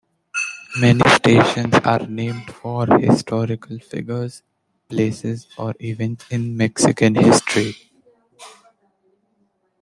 Many stations are named for historical figures, places, or events in Mexican history.